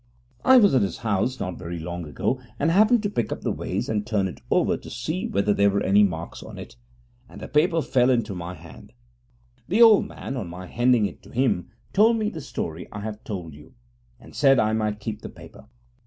I was at his house not very long ago, and happened to pick up the vase and turn it over to see whether there were any marks on it, and the paper fell into my hand. The old man, on my handing it to him, told me the story I have told you, and said I might keep the paper.